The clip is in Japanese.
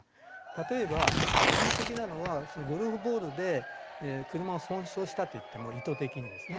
例えば端的なのはゴルフボールで車を損傷したっていっても意図的にですね。